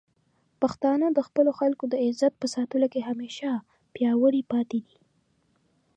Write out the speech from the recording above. پښتانه د خپلو خلکو د عزت په ساتلو کې همیشه پیاوړي پاتې دي.